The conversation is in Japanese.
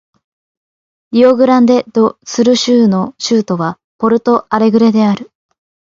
リオグランデ・ド・スル州の州都はポルト・アレグレである